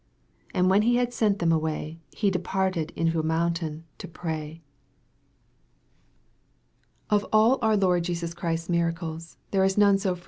46 And when he had sent them away, he departed into a mountain to pray. OF all our Lord Jesus Christ's miracles, none is so fre MARK, CHAP. VI.